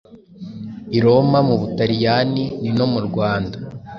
i Roma mu Butaliyani, n’ino mu Rwanda.